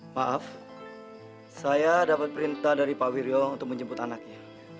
maaf saya dapat perintah dari pak wirjo untuk menjemput anaknya